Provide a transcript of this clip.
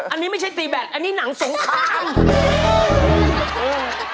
อันนี้ไม่ใช่ตีแบตอันนี้หนังสงคราม